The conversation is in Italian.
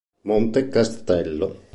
Monte Castelo